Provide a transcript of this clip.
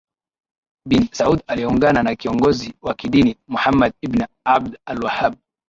bin Saud aliungana na kiongozi wa kidini Muhammad ibn Abd alWahhab